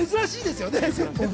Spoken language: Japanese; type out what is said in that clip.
珍しいですよね。